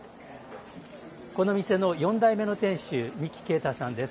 この店の４代目の店主三木惠太さんです。